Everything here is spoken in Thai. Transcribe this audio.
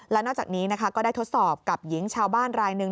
และนอกจากนี้นะคะก็ได้ทดสอบกับหญิงชาวบ้านรายหนึ่ง